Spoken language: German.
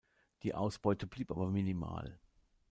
Die Ausbeute blieb aber minimal.